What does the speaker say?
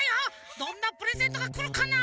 どんなプレゼントがくるかな？